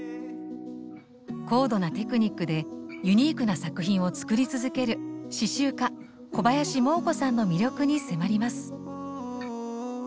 高度なテクニックでユニークな作品を作り続ける刺しゅう家小林モー子さんの魅力に迫ります。